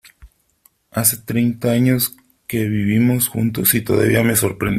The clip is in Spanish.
Hace treinta años que vivimos juntos y todavía me sorprende.